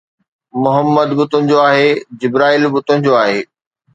محمد به تنهنجو آهي، جبرائيل به تنهنجو آهي